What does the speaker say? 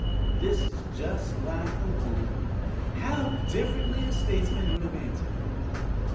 This is just like a woman. How differently a statesman would have answered!